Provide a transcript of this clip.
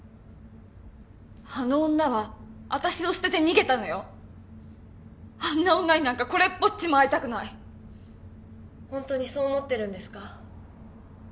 あの女は私を捨てて逃げたのよあんな女になんかこれっぽっちも会いたくないホントにそう思ってるんですか？